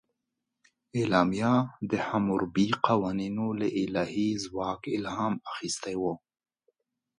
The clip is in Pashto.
اعلامیه د حموربي قوانینو له الهي ځواک الهام اخیستی و.